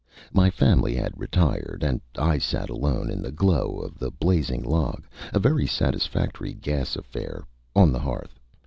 My family had retired, and I sat alone in the glow of the blazing log a very satisfactory gas affair on the hearth.